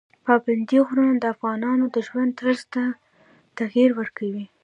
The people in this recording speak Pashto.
پابندي غرونه د افغانانو د ژوند طرز ته تغیر ورکوي.